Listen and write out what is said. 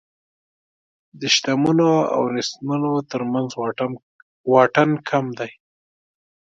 د شتمنو او نېستمنو تر منځ واټن کم دی.